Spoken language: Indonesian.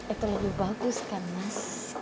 itu lebih bagus kan mas